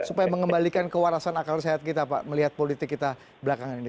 supaya mengembalikan kewarasan akal sehat kita pak melihat politik kita belakangan ini